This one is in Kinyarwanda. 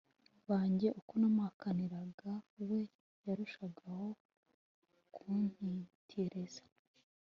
banjye Uko namuhakaniraga we yarushagaho kuntitiriza